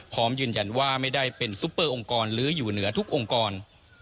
พร้อมยืนยันว่าไม่ได้เป็นซุปเปอร์องค์กรหรืออยู่เหนือทุกองค์กร